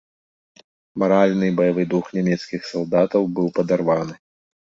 Маральны і баявы дух нямецкіх салдатаў быў падарваны.